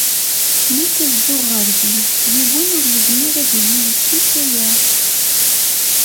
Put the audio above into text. Nekk ad dduɣ ɣer din. Yiwen ur yezmir ad iyi-yekkes aya.